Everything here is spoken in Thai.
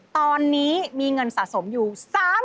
ตอนนี้มีเงินสะสมอยู่๓๕๐๐๐บาท